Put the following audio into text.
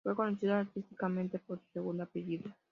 Fue conocido artísticamente por su segundo apellido.